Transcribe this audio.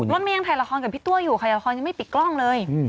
รถแม่งไทยละครกับพี่ตัวอยู่ไทยละครยังไม่ปิดกล้องเลย